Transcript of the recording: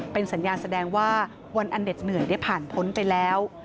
เป็นสัญญาณแสดงว่าวันอันเด็ดเหนื่อยได้ผ่านพ้นไปแล้ว